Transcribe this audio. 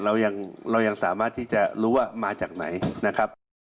เรายังเรายังสามารถที่จะรู้ว่ามาจากไหนนะครับ